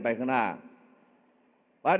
เอาข้างหลังลงซ้าย